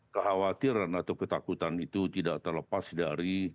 kekhawatiran atau ketakutan itu tidak terlepas dari